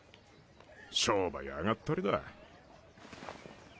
商売上がったりだ。